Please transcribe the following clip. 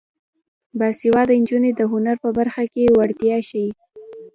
باسواده نجونې د هنر په برخه کې وړتیا ښيي.